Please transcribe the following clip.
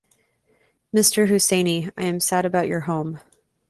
Mr. Hussaini, I am sad about your home.